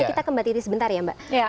kita ke mbak titi sebentar ya mbak